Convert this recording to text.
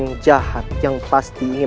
yang jahat yang pasti ini